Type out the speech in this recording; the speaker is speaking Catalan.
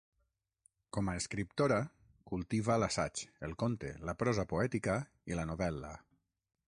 Com a escriptora, cultiva l'assaig, el conte, la prosa poètica i la novel·la.